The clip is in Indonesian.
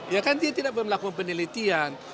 ya kan dia tidak melakukan penelitian